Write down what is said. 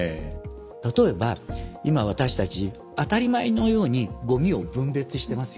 例えば今私たち当たり前のようにごみを分別してますよね。